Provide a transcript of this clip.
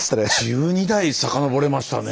１２代遡れましたね。